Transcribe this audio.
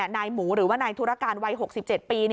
นายหมูหรือว่านายธุรการวัย๖๗ปี